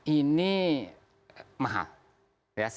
ini mahal ya